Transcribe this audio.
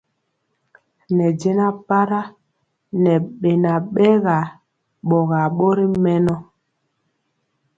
Ne jɛna para nɛ bɛ nabɛ bɔgar bori mɛnɔ.